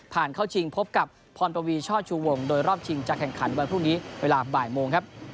เข้าชิงพบกับพรปวีช่อชูวงโดยรอบชิงจะแข่งขันวันพรุ่งนี้เวลาบ่ายโมงครับ